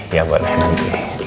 ya boleh nanti